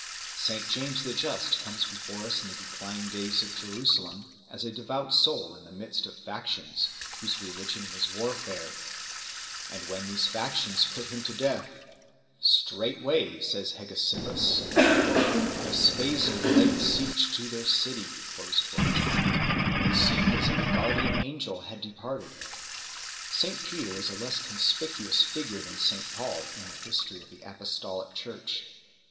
St James the Just comes before us in the declining days of Jerusalem as a devout soul in the midst of factions whose religion was warfare; and when these factions put him to death, "straightway," says Hegesippus 5 , "Vespasian laid siege to their city;" it seemed as if a guardian angel had departed 6 . 4. St Peter is a less conspicuous figure than St Paul in the history of the Apostolic Church.